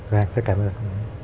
vâng rất cảm ơn